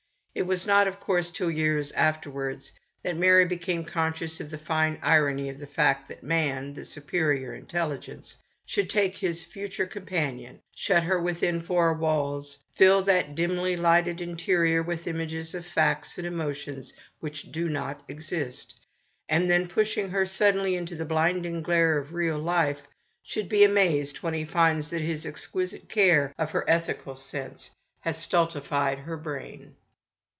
It was not, of course, till years after ward, that Mary became conscious of the fine irony of the fact that man, the superior intel ligence, should take his future companion, shut her within four walls, fill that dimly lighted interior with images of facts and emo tions which do not exist, and then, pushing her suddenly into the blinding glare of real A CHILD. ( 29 life, should be amazed when he finds that his exquisite care of her ethical sense has stulti fied her brain.